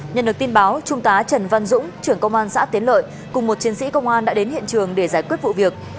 nhận được tin báo trung tá trần văn dũng trưởng công an xã tiến lợi cùng một chiến sĩ công an đã đến hiện trường để giải quyết vụ việc